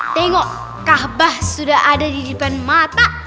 tengok kaabah sudah ada di depan mata